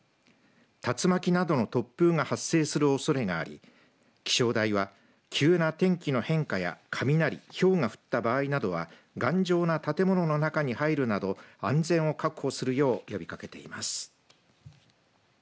竜巻などの突風が発生するおそれがあり気象台は急な天気の変化や雷ひょうが降った場合などは頑丈な建物の中に入るなど安全を確保するよう呼びかけています。